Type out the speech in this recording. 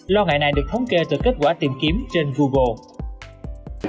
lo ngại này được thống kê từ kết quả tìm kiếm trên google